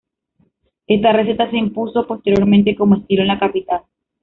Esta receta se impuso posteriormente como estilo en la capital.